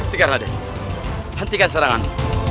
tiga raden hentikan serangan